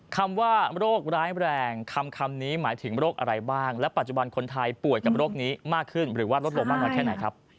คำว่าโรคร้ายแรงคำนี้หมายถึงโรคอะไรบ้างและปัจจุบันคนไทยป่วยกับโรคนี้มากขึ้นหรือว่าลดลงมากน้อยแค่ไหนครับ